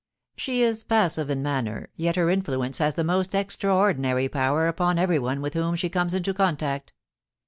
She is passive in manner, yet her influence has the most extraordinary power upon everyone with whom she comes into contact.'